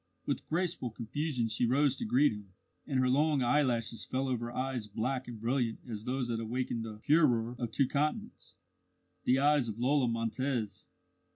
With graceful confusion she rose to greet him, and her long eyelashes fell over eyes black and brilliant as those that awakened the furore of two continents the eyes of Lola Montez.